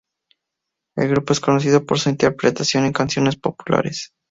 El grupo es conocido por su interpretación de canciones populares.